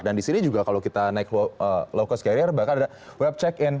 dan di sini juga kalau kita naik low cost carrier bahkan ada web check in